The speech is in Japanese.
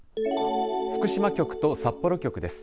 福島局と札幌局です。